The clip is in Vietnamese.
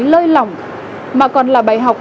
lơi lỏng mà còn là bài học